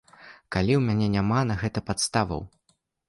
Калі ў мяне няма на гэта падставаў.